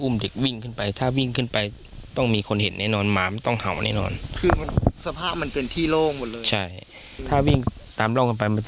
มันมีร่องรอยการเสียหายไหม